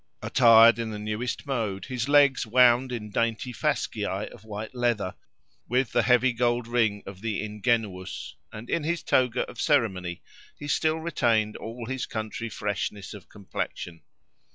Attired in the newest mode, his legs wound in dainty fasciae of white leather, with the heavy gold ring of the ingenuus, and in his toga of ceremony, he still retained all his country freshness of complexion.